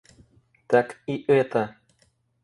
Так и это.